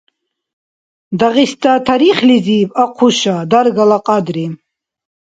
Дагъиста тарихлизиб Ахъуша-Даргала кьадри